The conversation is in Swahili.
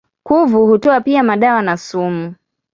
Kuvu hutoa pia madawa na sumu.